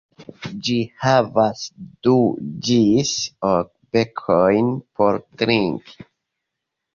Ĝi havas du ĝis ok bekojn por trinki.